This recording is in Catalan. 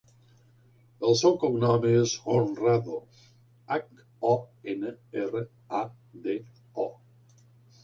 El seu cognom és Honrado: hac, o, ena, erra, a, de, o.